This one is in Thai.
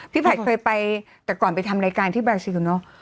ผัดเคยไปแต่ก่อนไปทำรายการที่บราซิลเนอะ